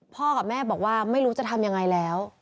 กับแม่บอกว่าไม่รู้จะทำยังไงแล้ว